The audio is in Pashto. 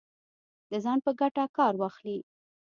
د ځان په ګټه کار واخلي